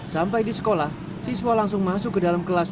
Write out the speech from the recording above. sampai di sekolah siswa langsung masuk ke dalam kelas